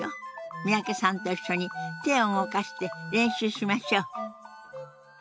三宅さんと一緒に手を動かして練習しましょう。